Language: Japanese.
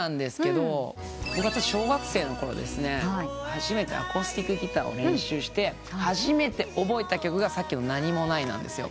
初めてアコースティックギターを練習して初めて覚えた曲がさっきの『なにもない』なんですよ。